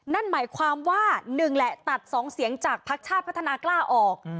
นั่นหมายความว่า๑แหละตัด๒เสียงจากภักดิ์ชาติพัฒนากล้าออก